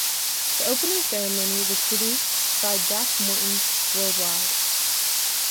The Opening Ceremony was produced by Jack Morton Worldwide.